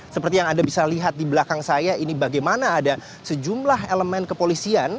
seperti yang anda bisa lihat di belakang saya ini bagaimana ada sejumlah elemen kepolisian